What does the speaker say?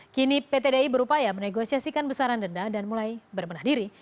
kini pt di berupaya menegosiasikan besaran denda dan mulai berbenah diri